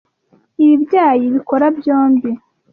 Ibi byayi bikora byombi.